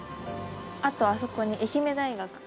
あとあそこに愛媛大学が。